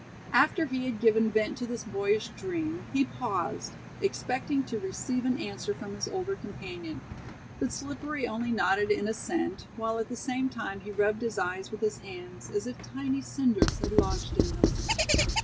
After he had given vent to this boyish dream he paused, expecting to receive an answer from his older companion, but Slippery only nodded in assent, while at the same time he rubbed his eyes with his hands as if tiny cinders had lodged in them.